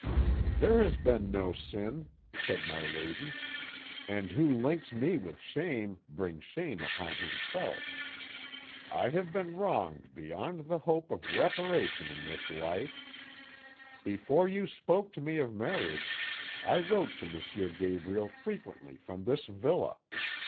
"'There has been no sin,' said my lady, 'and who links me with shame brings shame upon himself. I have been wronged beyond the hope of reparation in this life. Before you spoke to me of marriage I wrote to M. Gabriel frequently from this villa.